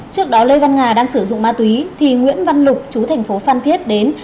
trước đó lê văn nga đang sử dụng ma túy thì nguyễn văn lục chú thành phố phan thiết đến